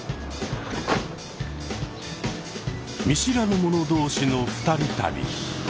見知らぬ者同士の二人旅。